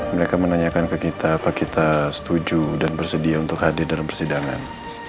mereka menanyakan ke kita apa kita setuju dan bersedia untuk hadir dalam persidangan